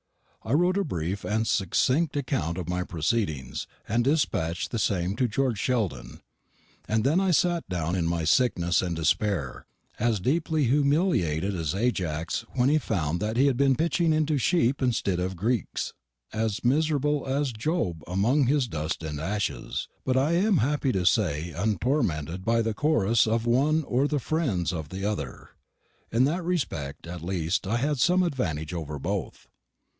I wrote a brief and succinct account of my proceedings, and despatched the same to George Sheldon, and then I sat down in my sickness and despair, as deeply humiliated as Ajax when he found that he had been pitching into sheep instead of Greeks, as miserable as Job amongst his dust and ashes, but I am happy to say untormented by the chorus of one or the friends of the other. In that respect at least I had some advantage over both.